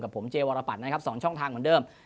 กับผมเจวารพรสองช่องทางเหมือนเดิม